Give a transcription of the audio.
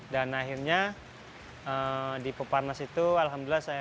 dan akhirnya di peparnas itu alhamdulillah